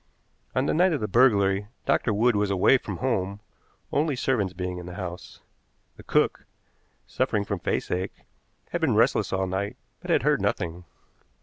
On the night of the burglary Dr. Wood was away from home, only servants being in the house. The cook, suffering from faceache, had been restless all night, but had heard nothing.